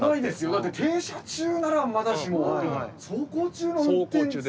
だって停車中ならまだしも走行中の運転席ですか？